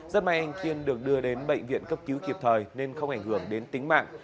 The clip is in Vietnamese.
rất may anh tiên được đưa đến bệnh viện cấp cứu kịp thời nên không ảnh hưởng đến tính mạng